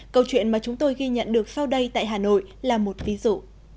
câu chuyện mà chúng tôi ghi nhận được sau đây tại hà nội là một ví dụ